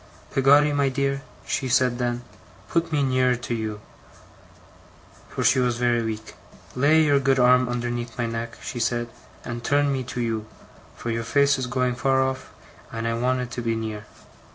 "Peggotty, my dear," she said then, "put me nearer to you," for she was very weak. "Lay your good arm underneath my neck," she said, "and turn me to you, for your face is going far off, and I want it to be near."